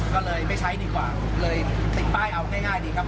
ก็เลยไม่ใช้ดีกว่าเลยติดป้ายเอาง่ายดีครับ